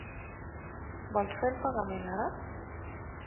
Vols fer el pagament ara?